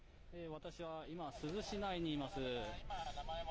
私は今、珠洲市内にいます。